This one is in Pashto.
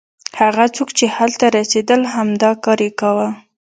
هغه څوک چې هلته رسېدل همدا کار یې کاوه.